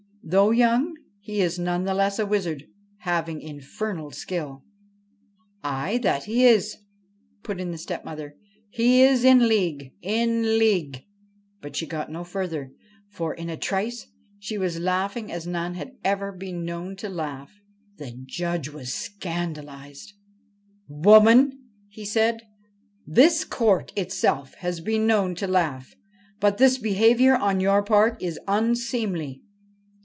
Though young he is none the less a wizard, having infernal skill.' ' Ay, that he is,' put in the stepmother. ' He is in league in league ' But she got no further, for, in a trice, she was laughing as none had ever been known to laugh. The Judge was scandalised. ' Woman !' he said. ' This Court itself has been known to laugh, but this behaviour on your part is unseemly.'